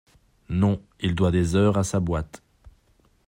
Non, il doit des heures à sa boîte.